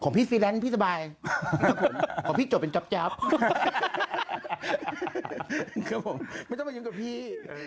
พี่ซีแลนซ์พี่สบายครับผมขอพี่จบเป็นจ๊อปครับผมไม่ต้องมายุ่งกับพี่